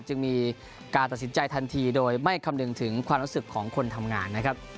จึงมีการตัดสินใจทันทีโดยไม่คำนึงถึงความรู้สึกของคนทำงานนะครับ